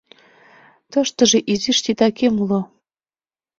Тыштыже изиш титакем уло...